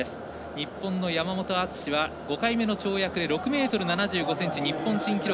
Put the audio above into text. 日本の山本篤は５回目の跳躍で６ｍ７５ｃｍ日本新記録。